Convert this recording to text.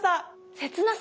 切なさ？